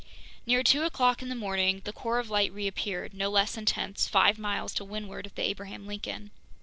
Near two o'clock in the morning, the core of light reappeared, no less intense, five miles to windward of the Abraham Lincoln.